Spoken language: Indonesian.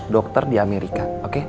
dokter di amerika